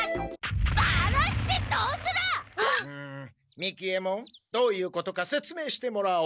三木ヱ門どういうことかせつめいしてもらおう。